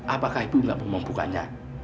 apakah ibu nggak mau membukanya